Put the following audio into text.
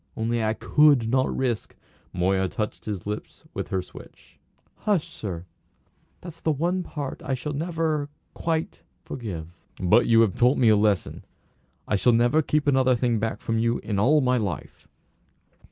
Only I could not risk " Moya touched his lips with her switch. "Hush, sir! That's the one part I shall never quite forgive." "But you have taught me a lesson. I shall never keep another thing back from you in all my life!"